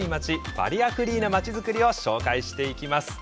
バリアフリーな町づくりを紹介していきます。